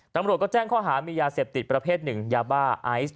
ตำรวจก็แจ้งข้อหามียาเสพติดประเภทหนึ่งยาบ้าไอซ์